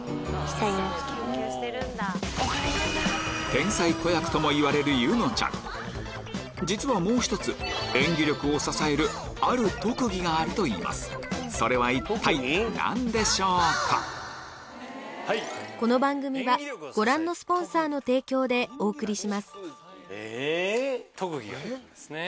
天才子役ともいわれる柚乃ちゃん実はもう一つ演技力を支えるある特技があるといいます特技があるんですね。